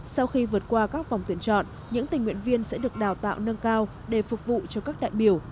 sau khi vượt qua các vòng tuyển chọn những tình nguyện viên sẽ được đào tạo nâng cao để phục vụ cho các đại biểu